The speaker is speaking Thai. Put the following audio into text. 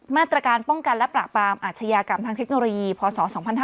มาตรการป้องกันและปราบปรามอาชญากรรมทางเทคโนโลยีพศ๒๕๕๙